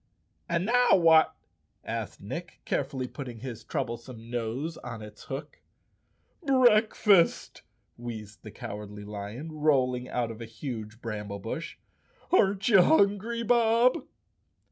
"And now what?" asked Nick, carefully putting his troublesome nose on its hook. " Breakfast 1" wheezed the Cowardly Lion, rolling out of a huge bramble bush. "Aren't you hungry, Bob?"